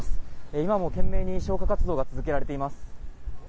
今も懸命に消火活動が続けられています。